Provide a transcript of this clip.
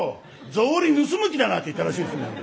草履盗む気だな」って言ったらしいですね。